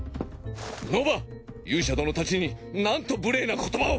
ノヴァ勇者殿たちになんと無礼な言葉を。